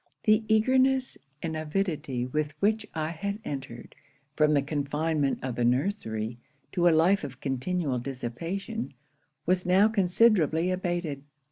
The eagerness and avidity with which I had entered, from the confinement of the nursery, to a life of continual dissipation, was now considerably abated.